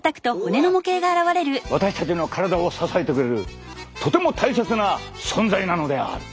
私たちの体を支えてくれるとても大切な存在なのである。